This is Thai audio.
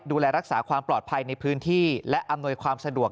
ดูแลรักษาความปลอดภัยในพื้นที่และอำนวยความสะดวก